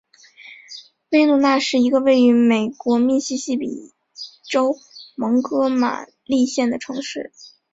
威诺纳是一个位于美国密西西比州蒙哥马利县的城市。